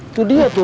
itu dia tuh